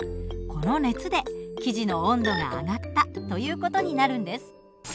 この熱で生地の温度が上がったという事になるんです。